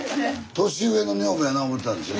年上の女房やな思てたんですよ